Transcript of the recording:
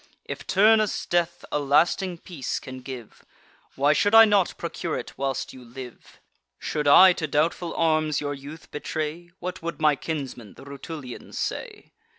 If Turnus' death a lasting peace can give, Why should I not procure it whilst you live? Should I to doubtful arms your youth betray, What would my kinsmen, the Rutulians, say?